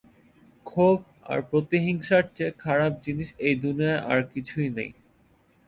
ক্ষোভ আর প্রতিহিংসার চেয়ে খারাপ জিনিস এই দুনিয়ায় আর কিছুই নেই।